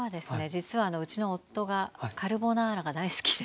実はうちの夫がカルボナーラが大好きで。